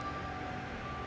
ya tuhan kami berdoa